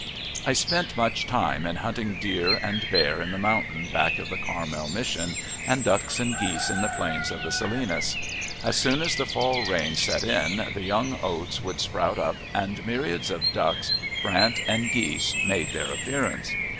I spent much time in hunting deer and bear in the mountains back of the Carmel Mission, and ducks and geese in the plains of the Salinas. As soon as the fall rains set in, the young oats would sprout up, and myriads of ducks, brant, and geese, made their appearance.